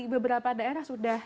beberapa daerah sudah